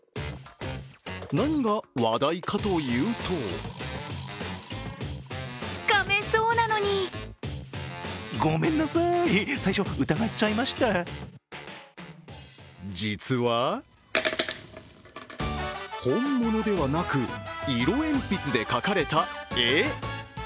何が話題かというと実は本物ではなく色鉛筆で描かれた絵。